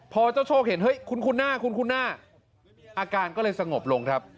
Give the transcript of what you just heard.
พอเจ้าโชคเห็นเฮ้ยคุณคุ้นหน้าคุ้นหน้าอาการก็เลยสงบลงครับ